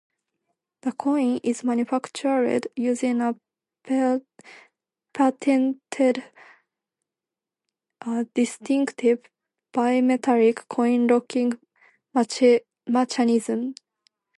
The coin is manufactured using a patented distinctive bimetallic coin-locking mechanism.